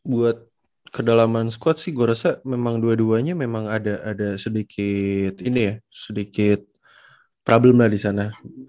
buat kedalaman squad sih gue rasa memang dua duanya memang ada sedikit problem lah disana